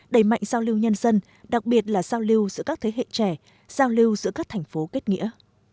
đẩy mạnh giao lưu nhân dân đặc biệt là giao lưu giữa các thế hệ trẻ giao lưu giữa các thành phố kết nghĩa